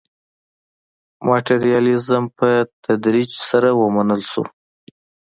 ماټریالیزم په تدریج سره ومنل شو.